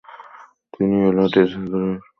তিনি 'এ লা রিচার্চে ডু টেম্পস পারদু' এ কাজ করেন।